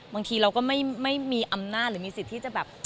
บางทีเราก็ไม่มีอำนาจหรือมีสิทธิ์ที่จะแบบ